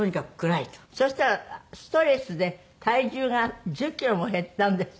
そしたらストレスで体重が１０キロも減ったんですって？